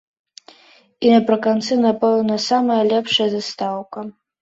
І напрыканцы, напэўна, самая лепшая застаўка.